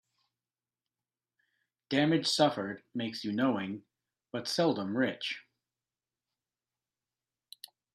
Damage suffered makes you knowing, but seldom rich.